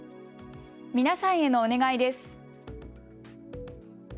皆さんへのお願いです。